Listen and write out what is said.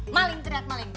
maling teriak maling